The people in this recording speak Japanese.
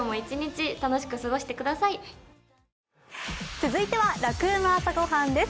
続いては「ラクうま！朝ごはん」です。